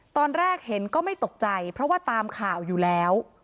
ตอนแรกเห็นก็ไม่ตกใจเพราะว่าตามข่าวอยู่แล้ว